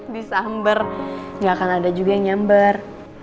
di sambar gak akan ada juga yang nyambar